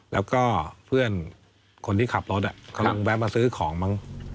แล้วก็เพื่อนคนที่ขับรถเขาลองแวะมาซื้อของมั้ง